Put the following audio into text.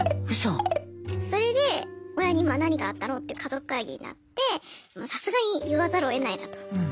それで親に何があったの？って家族会議になってさすがに言わざるをえないなと。